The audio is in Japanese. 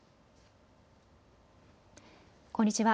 こんにちは。